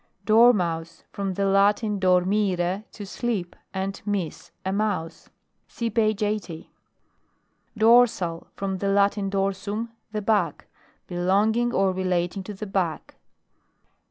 DORMOUSE. From the Latin. Dor mire, to sleep, and mus a mouse. (See page 80.) DORSAL. From the Latin, dorsum, the back. Belonging or relating to the back.